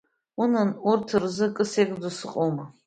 Унан, урҭ рзы акы сеигӡо сыҟоума!